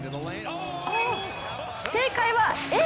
正解はＡ。